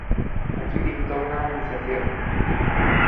Allí pintó una "Anunciación".